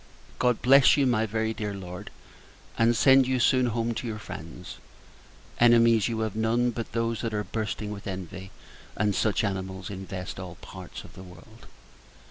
God bless you, my very dear Lord, and send you soon home to your friends. Enemies you have none, but those that are bursting with envy; and such animals infest all parts of the world.